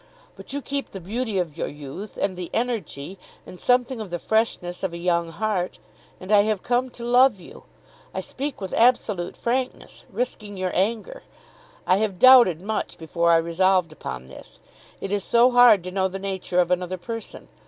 But you keep the beauty of your youth, and the energy, and something of the freshness of a young heart. And I have come to love you. I speak with absolute frankness, risking your anger. I have doubted much before I resolved upon this. It is so hard to know the nature of another person.